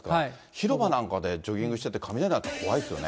広場なんかでジョギングしてて、雷鳴ったら怖いですよね。